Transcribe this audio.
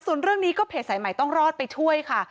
ส่วนเรื่องนี้ก็เพจสายใหม่ต้องรอดไปช่วยค่ะ